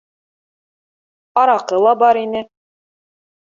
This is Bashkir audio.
— Араҡы ла бар ине